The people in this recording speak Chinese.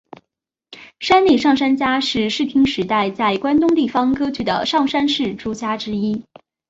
山内上杉家是室町时代在关东地方割据的上杉氏诸家之一。